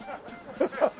ハハハ！